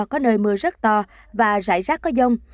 có nơi mưa rất to và rải rác có dông